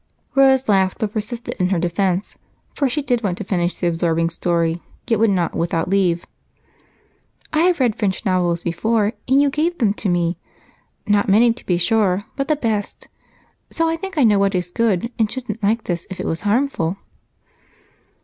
Rose laughed, but persisted in her defense, for she did want to finish the absorbing story, yet would not without leave. "I have read French novels before, and you gave them to me. Not many, to be sure, but the best, so I think I know what is good and shouldn't like this if it was harmful."